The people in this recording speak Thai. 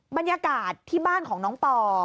บรรยากาศที่บ้านของน้องปอ